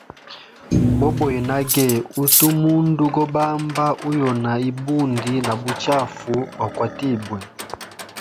Boboya nage utu mundu go bamba uyona ibundi na buchafu gwa kwatibwe.